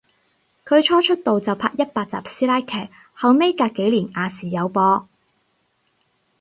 佢初出道就拍一百集師奶劇，後尾隔幾年亞視有播